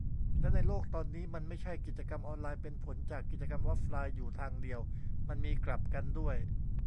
แล้วในโลกตอนนี้ มันไม่ใช่ กิจกรรมออนไลน์เป็นผลจากกิจกรรมออฟไลน์อยู่ทางเดียว มันมีกลับกันด้วย